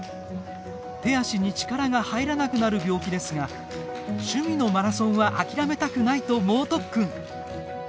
手足に力が入らなくなる病気ですが趣味のマラソンは諦めたくないと猛特訓。